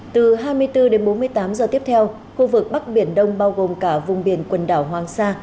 từ hai mươi bốn đến bốn mươi tám giờ tiếp theo khu vực bắc biển đông bao gồm cả vùng biển quần đảo hoàng sa